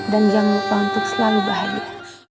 jangan lupa untuk selalu bahagia